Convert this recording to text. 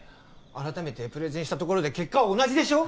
改めてプレゼンしたところで結果は同じでしょ